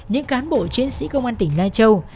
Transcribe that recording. những cán bộ chiến sĩ công an tỉnh lai châu